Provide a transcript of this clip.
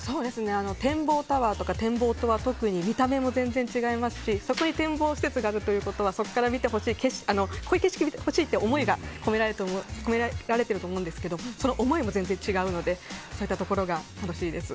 展望タワーとか展望塔は特に見た目も全然違いますしそこに展望施設があるということはこういう景色を見てほしいという思いが込められていると思うんですけどその思いも全然違うのでそういったところが楽しいです。